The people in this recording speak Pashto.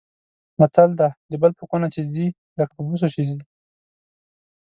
متل دی: د بل په کونه چې ځي لکه په بوسو چې ځي.